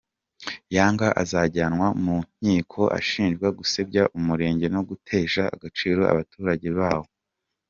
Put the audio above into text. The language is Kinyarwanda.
Yanga azajyanwa mu nkiko ashinjwa gusebya umurenge no gutesha agaciro abaturage bawo.